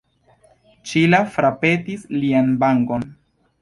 Ŝila frapetis lian vangon.